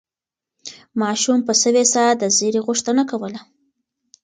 ماشوم په سوې ساه د زېري غوښتنه کوله.